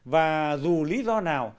và dù lý do nào